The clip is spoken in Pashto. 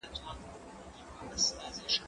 زه اوږده وخت د زده کړو تمرين کوم،